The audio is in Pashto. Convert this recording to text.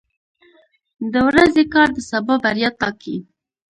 • د ورځې کار د سبا بریا ټاکي.